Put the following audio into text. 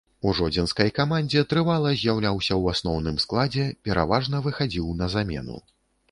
У жодзінскай камандзе трывала з'яўляўся ў асноўным складзе, пераважна выхадзіў на замену.